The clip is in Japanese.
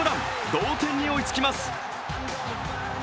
同点に追いつきます。